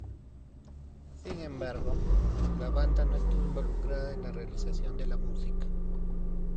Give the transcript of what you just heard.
Sin embargo, la banda no estuvo involucrada en la realización de la música.